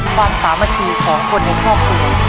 และความสามารถชีวิตของคนในครอบครัว